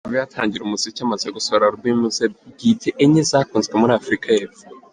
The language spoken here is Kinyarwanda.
Kuva yatangira umuziki amaze gusohora album ze bwite enye zakunzwe muri Afurika y’Epfo.